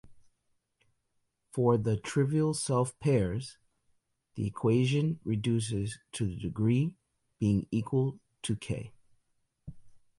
For the trivial self-pairs, the equation reduces to the degree being equal to "k".